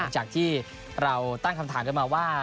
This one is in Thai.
จากที่เราตั้งคำถามกันมาว่า